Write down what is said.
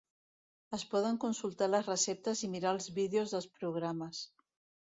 Es poden consultar les receptes i mirar els vídeos dels programes.